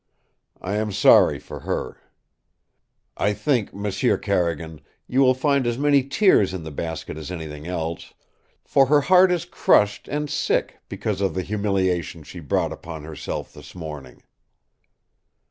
I am sorry for her. I think, M'sieu Carrigan, you will find as many tears in the basket as anything else, for her heart is crushed and sick because of the humiliation she brought upon herself this morning."